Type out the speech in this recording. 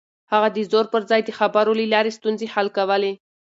هغه د زور پر ځای د خبرو له لارې ستونزې حل کولې.